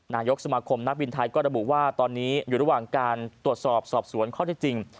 นายกสมาคมนักบินไทยก็ระบุว่าตอนนี้อยู่ระหว่างการตรวจสอบสอบสวนข้อที่จริง